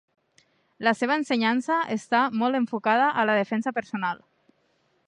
La seva ensenyança està molt enfocada a la defensa personal.